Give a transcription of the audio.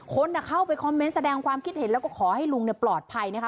คนเข้าไปคอมเมนต์แสดงความคิดเห็นแล้วก็ขอให้ลุงปลอดภัยนะคะ